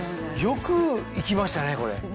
よく行きましたねこれ。